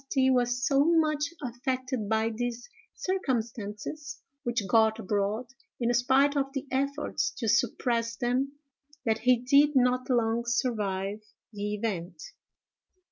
—— was so much affected by these circumstances, which got abroad in spite of the efforts to suppress them, that he did not long survive the event.